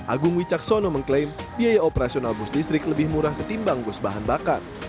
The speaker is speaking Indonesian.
agung wicaksono mengklaim biaya operasional bus listrik lebih murah ketimbang bus bahan bakar